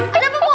ada apa pok